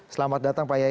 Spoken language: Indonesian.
selamat datang pak kiai